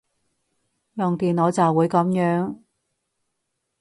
用電腦就會噉樣